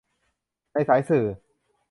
ในสายสื่อ